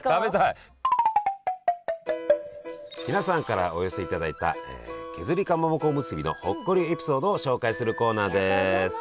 皆さんからお寄せいただいた削りかまぼこおむすびのほっこりエピソードを紹介するコーナーです！